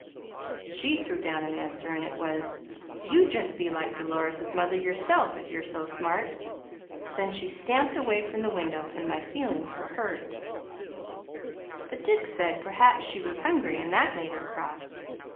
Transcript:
She threw down an answer, and it was: "YOU JUST BE LIKE DOLORES' MOTHER YOURSELF IF YOU'RE SO SMART!" Then she stamped away from the window and my feelings were hurt, but Dick said perhaps she was hungry, and that made her cross.